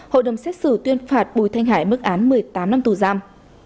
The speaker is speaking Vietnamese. hội đồng xét xử tuyên phạt bùi thanh hải mức án một mươi tám năm tù giam